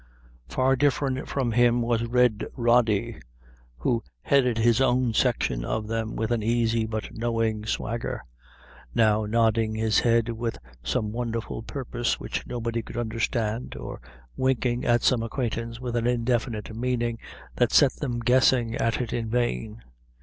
Far different from him was Red Rody, who headed his own section of them with an easy but knowing swagger; now nodding his head with some wonderful purpose which nobody could understand; or winking at some acquaintance with an indefinite meaning, that set them a guessing at it in vain.